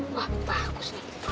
wah bagus nih